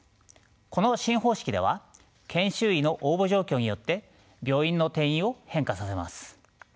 この新方式では研修医の応募状況によって病院の定員を変化させます。